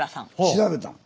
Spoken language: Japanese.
調べたん？